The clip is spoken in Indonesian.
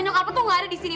nyokap itu gak ada disini